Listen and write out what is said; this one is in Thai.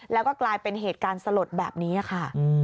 แล้วก็กลายเป็นเหตุการณ์สลดแบบนี้ค่ะ